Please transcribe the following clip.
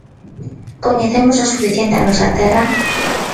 Coñecemos o suficiente a nosa terra?